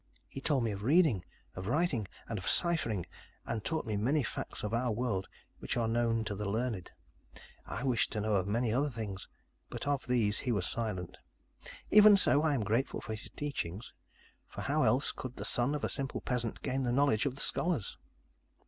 He told me of reading, of writing, and of ciphering, and taught me many facts of our world which are known to the learned. I wished to know of many other things, but of these he was silent. Even so, I am grateful for his teachings, for how else could the son of a simple peasant gain the knowledge of the scholars?